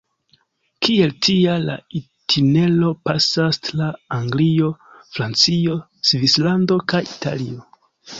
Kiel tia, la itinero pasas tra Anglio, Francio, Svislando kaj Italio.